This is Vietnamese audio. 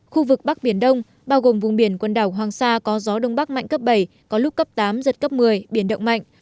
khu vực bắc biển đông bao gồm vùng biển quần đảo hoàng sa có gió đông bắc mạnh cấp bảy có lúc cấp tám giật cấp một mươi biển động mạnh